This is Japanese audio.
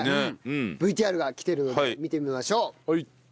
ＶＴＲが来てるので見てみましょう。